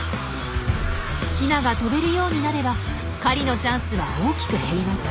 ヒナが飛べるようになれば狩りのチャンスは大きく減ります。